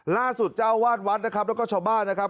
ล่าสุดเจ้าวาดวัดนะครับแล้วก็ชาวบ้านนะครับ